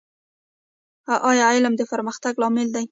ایا علم د پرمختګ لامل دی؟